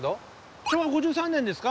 昭和５３年ですか？